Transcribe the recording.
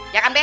ya kan be